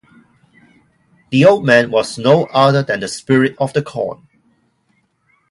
The old man was no other than the Spirit of the Corn.